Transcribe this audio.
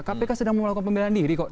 kpk sedang melakukan pembelaan diri kok